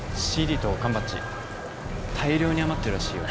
ＣＤと缶バッジ大量に余ってるらしいよ